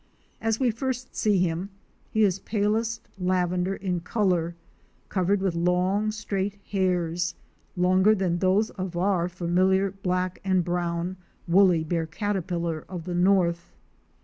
As we first see him he is palest lavender in color, covered with long straight hairs, longer than those of our familiar black and brown woolly bear caterpillar of the north.